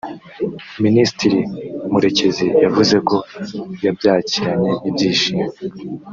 Minisitiri Murekezi yavuze ko yabyakiranye ibyishimo